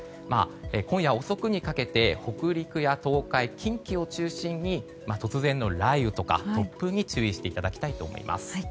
今夜遅くにかけて北陸や東海・近畿を中心に突然の雷雨とか突風に注意していただきたいと思います。